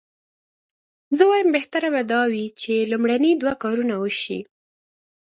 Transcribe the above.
زه وایم بهتره به دا وي چې لومړني دوه کارونه وشي.